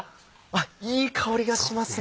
あっいい香りがしますね！